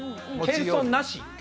謙遜なし。